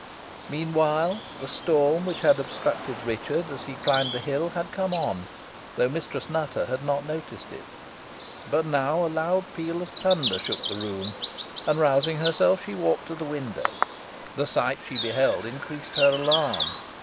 Meanwhile, the storm, which had obstructed Richard as he climbed the hill, had come on, though Mistress Nutter had not noticed it; but now a loud peal of thunder shook the room, and rousing herself she walked to the window. The sight she beheld increased her alarm.